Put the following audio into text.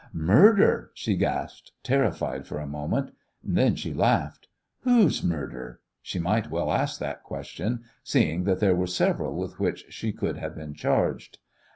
"Murder?" she gasped, terrified for a moment. Then she laughed. "Whose murder?" She might well ask that question seeing that there were several with which she could have been charged.